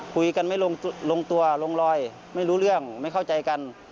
คุยกันไม่ลงตัวลงรอยไม่รู้เรื่องไม่เข้าใจกัน